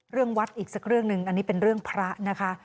วัดอีกสักเรื่องหนึ่งอันนี้เป็นเรื่องพระนะคะ